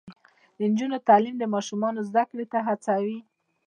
د نجونو تعلیم د ماشومانو زدکړې ته هڅوي.